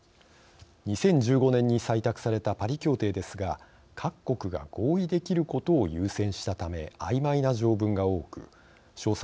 ２０１５年に採択されたパリ協定ですが各国が合意できることを優先したためあいまいな条文が多く詳細